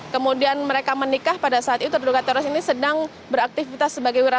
kemudian mereka menikah pada saat itu terduga teroris ini sedang beraktivitas sebagai wira